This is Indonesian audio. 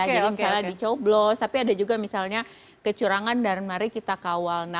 jadi misalnya di coblos tapi ada juga misalnya kecurangan dan mari kita kawal